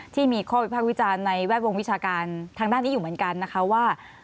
ที่มีข้อวิภาควิจารณ์ในแวดวงวิชาการทางด้านนี้อยู่เหมือนกันนะคะว่า